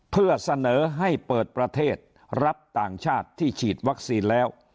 เพื่อเสนอให้เปิดประเทศรับต่างชาติที่ฉีดวัคซีนแล้ว